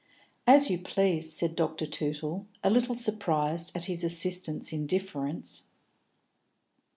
"As you please," said Dr. Tootle, a little surprised at his assistant's indifference.